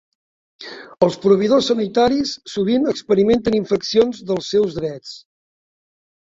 Els proveïdors sanitaris sovint experimenten infraccions dels seus drets.